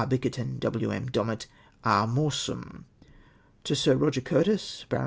BiCKERTON. "Wm. Domett. " r. moorsom. " To Sir Roger Curtis, Bart.